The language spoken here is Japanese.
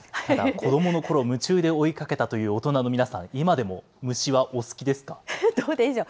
子どものころ、夢中で追いかけたという大人の皆さん、どうでしょう。